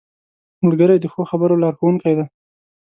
ملګری د ښو خبرو لارښوونکی دی